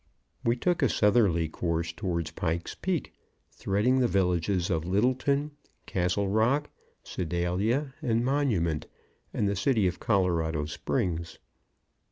We took a southerly course towards Pike's Peak, threading the villages of Littleton, Castle Rock, Sedalia and Monument, and the city of Colorado Springs.